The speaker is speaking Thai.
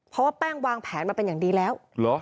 เพราะว่าแป้งวางแผนมาเป็นอย่างดีแล้ว